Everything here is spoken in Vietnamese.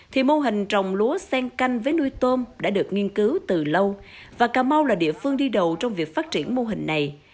thì mô hình trồng lúa sen canh với nuôi tôm đã được nghiên cứu từ lâu và cà mau là địa phương đi đầu trong việc phát triển mô hình này